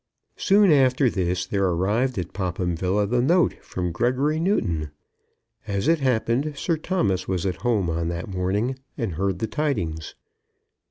Soon after this there arrived at Popham Villa the note from Gregory Newton. As it happened, Sir Thomas was at home on that morning, and heard the tidings.